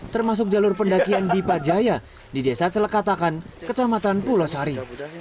termasuk jalur pendakian di pajaya di desa celekatakan kecamatan pulau sari